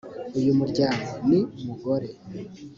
uyu muryango ni mugore.